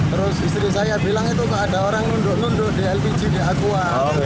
terus istri saya bilang itu kok ada orang nunduk nunduk di lpg di aqua